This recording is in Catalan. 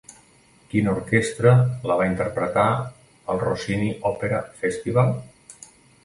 Quina Orquestra la va interpretar al Rossini Opera Festival?